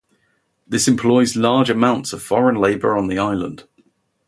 This employs large amounts of foreign labor on the island.